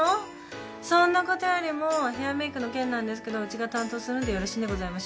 そんなことよりもヘアメークの件なんですけどうちが担当するんでよろしいんでございましょうか？